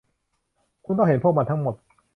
คุณต้องเห็นพวกมันทั้งหมด